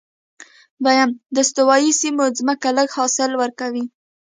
دویم، د استوایي سیمو ځمکې لږ حاصل ورکوي.